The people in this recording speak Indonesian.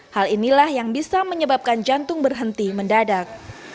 hal inilah yang bisa menyebabkan jantung berhenti mendadak